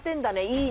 いいね」